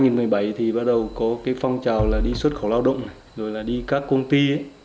năm hai nghìn một mươi bảy thì bắt đầu có cái phong trào là đi xuất khẩu lao động rồi là đi các công ty ấy